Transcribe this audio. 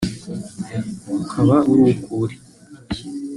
ukaba uri uko uri